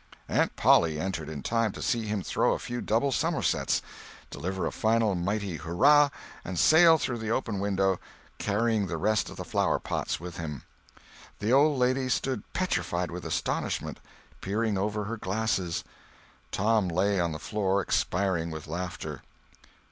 Aunt Polly entered in time to see him throw a few double summersets, deliver a final mighty hurrah, and sail through the open window, carrying the rest of the flower pots with him. The old lady stood petrified with astonishment, peering over her glasses; Tom lay on the floor expiring with laughter.